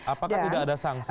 apakah tidak ada sanksi